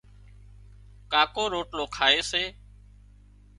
ڪاڪو روٽلو کائي سي